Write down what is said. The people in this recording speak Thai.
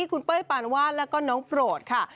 คุณเป้ยปานวาดแล้วก็น้องโปรดค่ะ